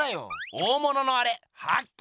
大物のアレ発見！